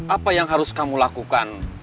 apa yang harus kamu lakukan